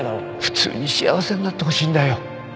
普通に幸せになってほしいんだよ